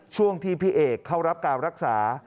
ช่วงที่พี่เอกเข้ารับการรักษา